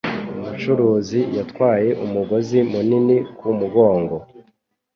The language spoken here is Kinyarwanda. Umucuruzi yatwaye umugozi munini ku mugongo.